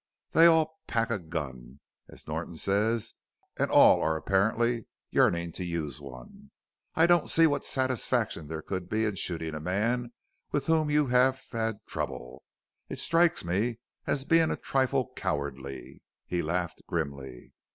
"They all 'pack' a gun, as Norton says, and all are apparently yearning to use one. I don't see what satisfaction there could be in shooting a man with whom you have had trouble; it strikes me as being a trifle cowardly." He laughed grimly.